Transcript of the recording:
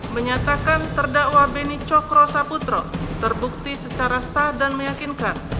menyatakan terdakwa beni cokro saputro terbukti secara sah dan meyakinkan